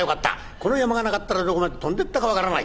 この山がなかったらどこまで飛んでったか分からない。